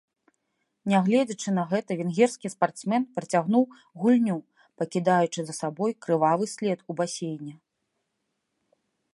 Нягледзячы на гэта, венгерскі спартсмен працягнуў гульню, пакідаючы за сабой крывавы след у басейне.